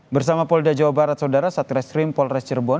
bersama polda jawa barat saudara satreskrim polres cirebon